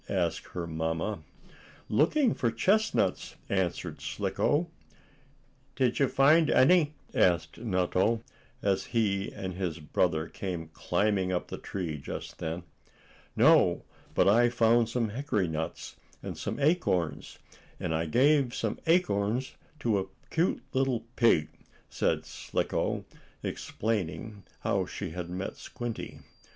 asked her mamma. "Looking for chestnuts," answered Slicko. "Did you find any?" asked Nutto, as he and his brother came climbing up the tree just then. "No, but I found some hickory nuts, and some acorns, and I gave some acorns to a cute little pig," said Slicko, explaining how she had met Squinty.